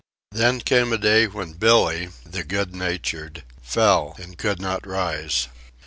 There came a day when Billee, the good natured, fell and could not rise.